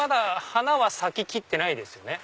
花は咲ききってないですよね？